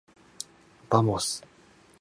ばもす。